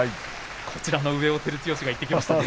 こちらの上を照強がいってきましたね。